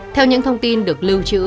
theo những thông tin được lưu trữ